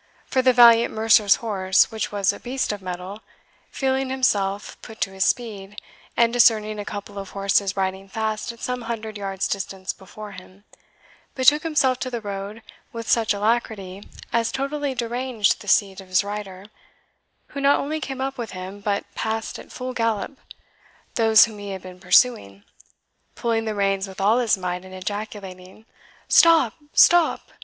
For the valiant mercer's horse, which was a beast of mettle, feeling himself put to his speed, and discerning a couple of horses riding fast at some hundred yards' distance before him, betook himself to the road with such alacrity as totally deranged the seat of his rider, who not only came up with, but passed at full gallop, those whom he had been pursuing, pulling the reins with all his might, and ejaculating, "Stop! stop!"